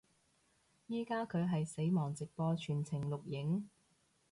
依家佢係死亡直播全程錄影